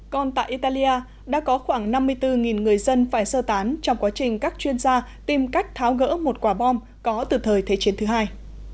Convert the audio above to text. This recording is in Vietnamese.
còn tại italia đã có khoảng năm mươi bốn người dân phải sơ tán trong quá trình các chuyên gia tìm cách tháo gỡ một quả bom có từ thời thế chiến thứ hai